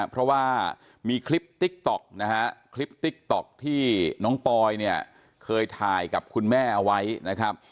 เพราะว่ามีคลิปติ๊กต๊อกนะฮะคลิปติ๊กต๊อกที่น้องปอยเนี่ยเคยถ่ายกับคุณแม่เอาไว้นะครับ